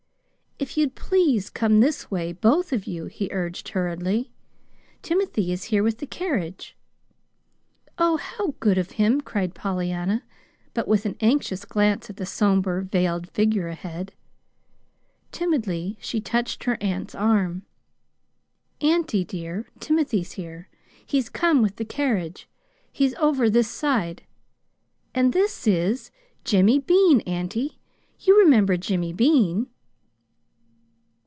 "If you'd please come this way both of you," he urged hurriedly. "Timothy is here with the carriage." "Oh, how good of him," cried Pollyanna, but with an anxious glance at the somber veiled figure ahead. Timidly she touched her aunt's arm. "Auntie, dear, Timothy's here. He's come with the carriage. He's over this side. And this is Jimmy Bean, auntie. You remember Jimmy Bean!"